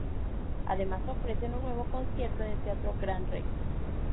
Además, ofrecen un nuevo concierto en el teatro Gran Rex.